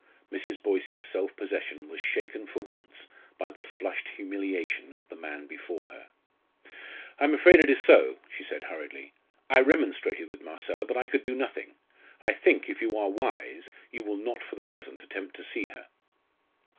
Mrs. Boyce's self possession was shaken for once by the flushed humiliation of the man before her. "I am afraid it is so," she said hurriedly. "I remonstrated with Marcella, but I could do nothing. I think, if you are wise, you will not for the present attempt to see her."